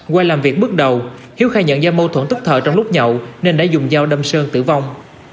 qua làm việc bước đầu hiếu khai nhận do mâu thuẫn tức thợ trong lúc nhậu nên đã dùng dao đâm sơn tử vong